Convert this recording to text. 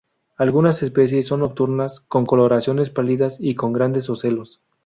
Algunas especies son nocturnas, con coloraciones pálidas y con grandes ocelos.